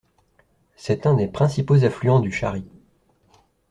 C'est un des principaux affluents du Chari.